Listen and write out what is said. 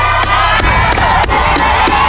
ในเวลาที่โอเค